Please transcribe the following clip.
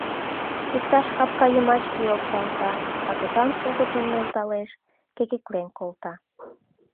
Иктаж капка йымач пий опталта — агытан шулдыржым нӧлталеш, кекеклен колта.